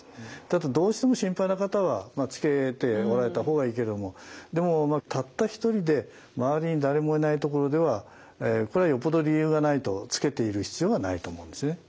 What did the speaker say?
ただどうしても心配な方はつけておられた方がいいけどもでもたった一人で周りに誰もいないところではこれはよっぽど理由がないとつけている必要がないと思うんですね。